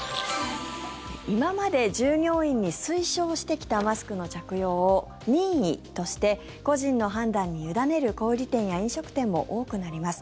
今まで従業員に推奨してきたマスクの着用を任意として個人の判断に委ねる小売店や飲食店も多くなります。